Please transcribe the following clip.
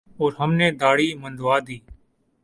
اور ہم نے دھاڑی منڈوادی ۔